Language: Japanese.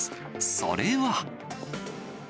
それは。